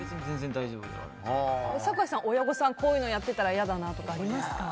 酒井さん、親御さんがこういうのやっていたら嫌だなとかありますか？